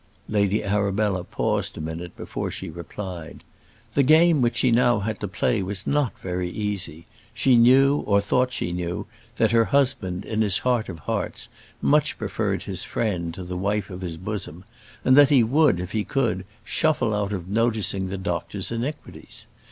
Lady Arabella paused a minute before she replied. The game which she now had to play was not very easy; she knew, or thought she knew, that her husband, in his heart of hearts, much preferred his friend to the wife of his bosom, and that he would, if he could, shuffle out of noticing the doctor's iniquities.